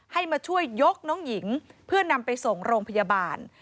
ให้มาช่วยยกน้องหญิงเพื่อนำไปส่งโรงพยาบาล